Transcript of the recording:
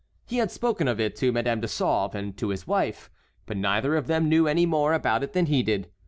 He had spoken of it to Madame de Sauve and to his wife, but neither of them knew any more about it than he did.